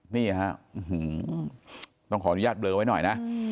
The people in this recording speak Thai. นี่ฮะต้องขออนุญาตเบลอไว้หน่อยนะ